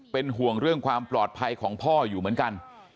เป็นห่วงเรื่องความปลอดภัยของพ่ออยู่เหมือนกัน